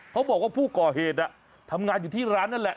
เขาบอกว่าผู้ก่อเหตุทำงานอยู่ที่ร้านนั่นแหละ